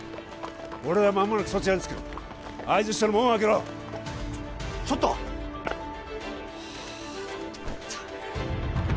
俺らはまもなくそちらに着く合図したら門を開けろちょっと！はあったく！